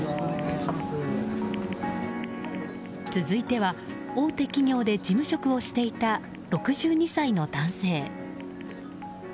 続いては、大手企業で事務職をしていた６２歳の男性。